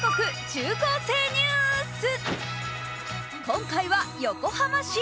今回は横浜市。